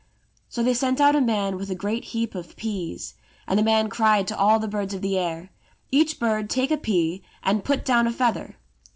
So they sent out a man with a great heap of peas ; and the man cried to all the birds of the air, "Each bird take a pea and put down a feather."